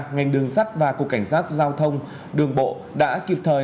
ngành đường sắt và cục cảnh sát giao thông đường bộ đã kịp thời